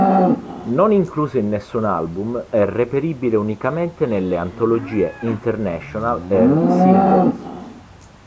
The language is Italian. Non incluso in nessun album, è reperibile unicamente nelle antologie "International" e "Singles".